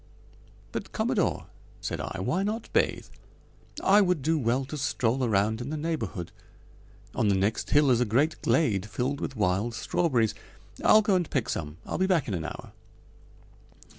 "But, Commodore," said I, "why not bathe? I would do well to stroll around in the neighborhood. On the next hill is a great glade filled with wild strawberries. I'll go and pick some. I'll be back in an hour."